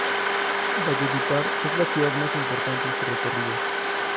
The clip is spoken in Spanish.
Valledupar es la ciudad más importante en su recorrido.